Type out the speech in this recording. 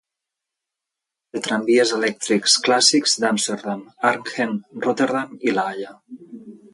Té tramvies elèctrics clàssics d'Amsterdam, Arnhem, Rotterdam, i La Haia.